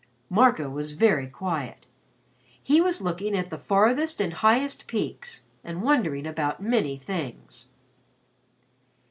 Marco was very quiet. He was looking at the farthest and highest peaks and wondering about many things.